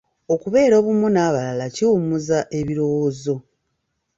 Okubeera obumu n'abalala kiwummuza ebirowoozo.